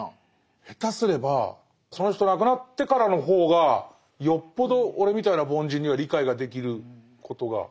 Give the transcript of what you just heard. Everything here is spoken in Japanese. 下手すればその人亡くなってからの方がよっぽど俺みたいな凡人には理解ができることが。